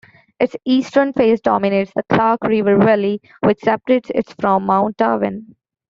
Its eastern face dominates the Clark River valley, which separates it from Mount Darwin.